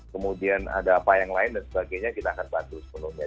kemudian ada apa yang lain dan sebagainya kita akan bantu sepenuhnya